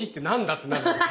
ってなるんです。